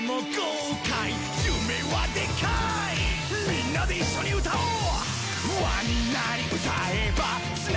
みんなで一緒に歌おう！